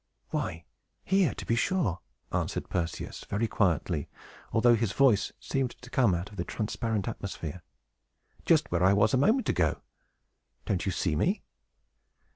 "Why, here, to be sure!" answered Perseus, very quietly, although his voice seemed to come out of the transparent atmosphere. "Just where I was a moment ago. Don't you see me?"